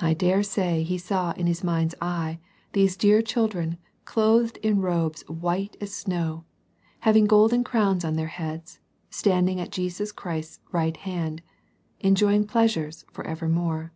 I dare say he saw in his mind's eye these dear children clothed in robes white as snow, having golden crowns on their heads, standing at Jesus Christ's right hand, enjoying pleasures for ever more.